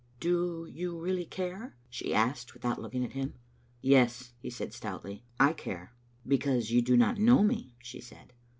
" Do you really care?" she asked, without looking at him. " Yes, " Tie said stoutly, " I care. "" Because you do not know me," she said.